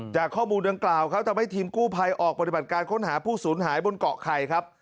จากข้อมูลดังกล่าวครับทำให้ทีมกู้ภัยออกปฏิบัติการค้นหาผู้สูญหายบนเกาะไข่ครับ